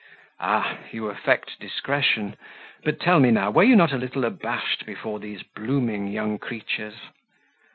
"Ah, you affect discretion; but tell me now, were you not a little abashed before these blooming young creatures?"